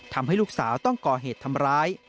ทำให้ลูกสาวต้องก่อเหตุทำร้าย